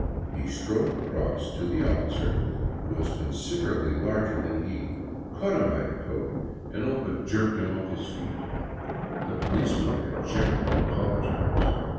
He strode across to the officer, who was con siderably larger than he, caught him by the coat, and all but jerked 146 THE CITY OF THE EQUATOR him off his feet. The policeman abjectly apologized.